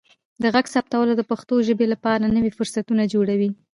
د غږ ثبتول د پښتو ژبې لپاره نوي فرصتونه جوړوي.